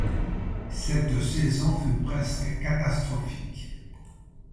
Cette saison fut presque catastrophique.